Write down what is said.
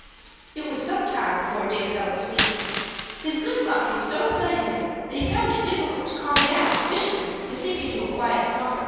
It was some time before Dick fell asleep. His good luck had so excited him that he found it difficult to calm down sufficiently to sink into a quiet slumber.